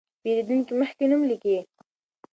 پېرېدونکي مخکې نوم لیکي.